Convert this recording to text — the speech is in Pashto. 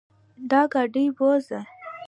دا ګاډې بوځه.